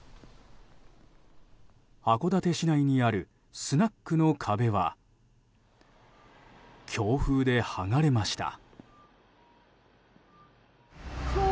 函館市内にあるスナックの壁は強風で剥がれました。